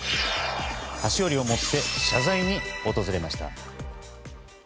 菓子折りを持って謝罪に訪れました。